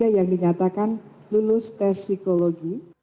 yang dinyatakan lulus tes psikologi